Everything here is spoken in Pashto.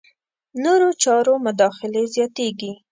نورو چارو مداخلې زیاتېږي.